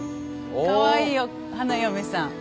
かわいいよ花嫁さん。